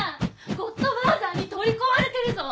ゴッドファーザーに取り込まれてるぞ！